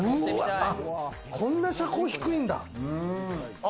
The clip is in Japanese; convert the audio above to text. こんな車高低いんだ。